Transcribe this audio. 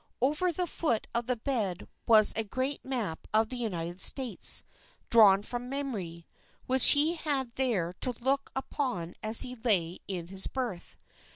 Over the foot of the bed was a great map of the United States, drawn from memory, which he had there to look upon as he lay in his berth.